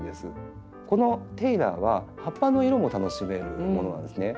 このテイラーは葉っぱの色も楽しめるものなんですね。